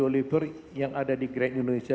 oliver yang ada di grade indonesia